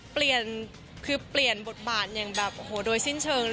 เปลี่ยนคือเปลี่ยนบทบาทอย่างแบบโอ้โหโดยสิ้นเชิง